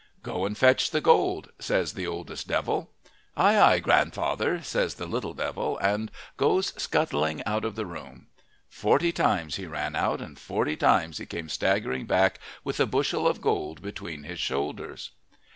"Go and fetch the gold," says the oldest devil. "Aye, aye, grandfather," says the little devil, and goes scuttling out of the room. Forty times he ran out, and forty times he came staggering back with a bushel of gold between his shoulders.